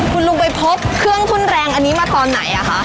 คุณลุงไปพบเครื่องทุ่นแรงอันนี้มาตอนไหนคะ